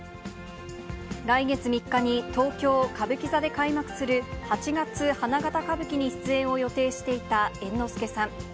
来月３日に東京・歌舞伎座で開幕する、八月花形歌舞伎に出演を予定していた猿之助さん。